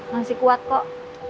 masih kuat kok